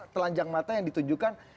telanjang mata yang ditunjukkan